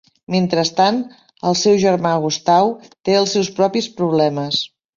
Mentrestant, el seu germà Gustau té els seus propis problemes.